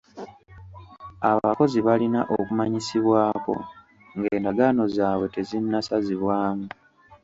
Abakozi balina okumanyisibwako ng'endagaano zaabwe tezinnasazibwamu.